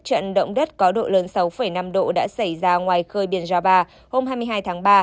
trận động đất có độ lớn sáu năm độ đã xảy ra ngoài khơi biển jaba hôm hai mươi hai tháng ba